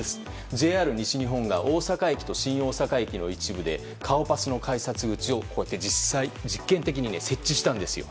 ＪＲ西日本が大阪駅と新大阪駅の一部で顔パスの改札口を実験的に設置したんですよ。